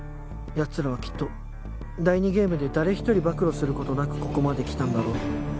奴らはきっと第２ゲームで誰一人暴露する事なくここまで来たんだろう。